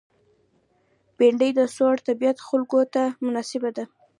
بېنډۍ د سوړ طبیعت خلکو ته مناسبه ده